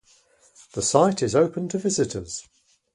The site is open to visitors.